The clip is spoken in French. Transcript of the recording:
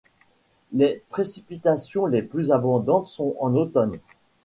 Les précipitations les plus abondantes sont en automne.